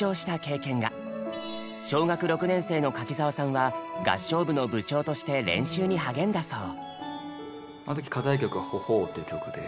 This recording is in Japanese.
小学６年生の柿澤さんは合唱部の部長として練習に励んだそう。